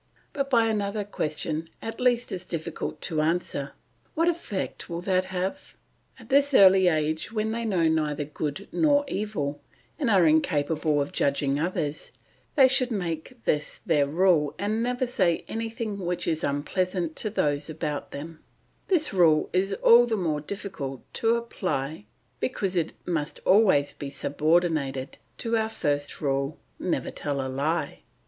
but by another question at least as difficult to answer, "What effect will that have?" At this early age when they know neither good nor evil, and are incapable of judging others, they should make this their rule and never say anything which is unpleasant to those about them; this rule is all the more difficult to apply because it must always be subordinated to our first rule, "Never tell a lie."